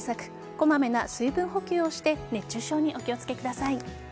こまめな水分補給をして熱中症にお気を付けください。